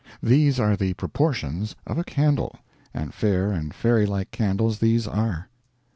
These are the proportions of a candle; and fair and fairylike candles these are.